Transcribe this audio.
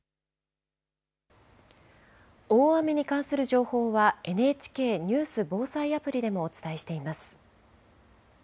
大雨に関する情報はＮＨＫニュース・防災アプリでもお伝えしています。